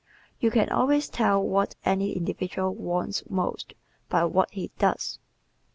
You can always tell what any individual WANTS MOST by what he DOES.